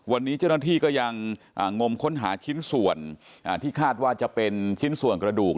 วันนี้เจ้าหน้าที่ก็ยังงมค้นหาชิ้นส่วนที่คาดว่าจะเป็นชิ้นส่วนกระดูก